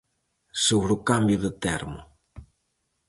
Sobre o cambio do termo.